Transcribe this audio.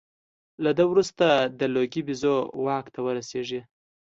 له ده وروسته د لوګي بیزو واک ته رسېږي.